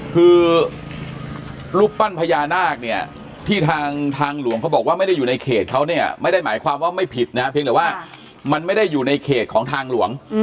คือรูปปั้นพญานาคเนี่ยที่ทางทางหลวงเขาบอกว่าไม่ได้อยู่ในเขตเขาเนี่ยไม่ได้หมายความว่าไม่ผิดนะเพียงแต่ว่ามันไม่ได้อยู่ในเขตของทางหลวง